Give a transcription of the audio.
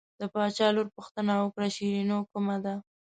د باچا لور پوښتنه وکړه شیرینو کومه ده.